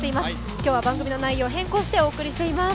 今日は番組の内容を変更してお送りしております。